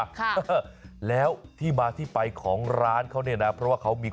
พอเสร็จแล้วน้องพามาที่ร้านแล้วก็ไปเจอช่างที่เขาเก่ง